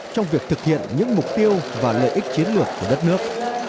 trong việc thực hiện những mục tiêu và lợi ích chiến lược của đất nước